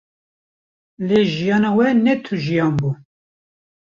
Lê jiyana wê ne tu jiyan bû